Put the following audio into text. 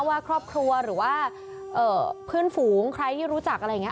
ว่าครอบครัวหรือว่าเพื่อนฝูงใครที่รู้จักอะไรอย่างนี้